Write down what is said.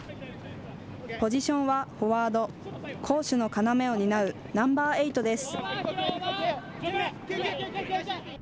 ポジションはフォワード、攻守の要を担うナンバーエイトです。